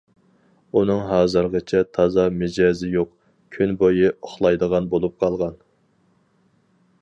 ئۇنىڭ ھازىرغىچە تازا مىجەزى يوق، كۈن بويى ئۇخلايدىغان بولۇپ قالغان.